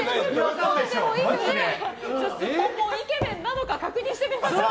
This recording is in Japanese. すっぽんぽんイケメンなのか確認してみましょう。